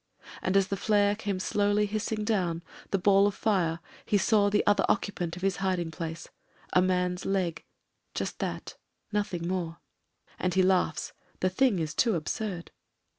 And as the flare came slowly hissing down, a ball of fire, he saw the other occupant of his hiding place — ^a man's leg, just that, nothing more. And he laughs; the thing is too absurd.